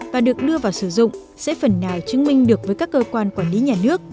và được đưa vào sử dụng sẽ phần nào chứng minh được với các cơ quan quản lý nhà nước